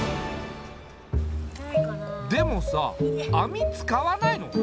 でもさ網使わないの？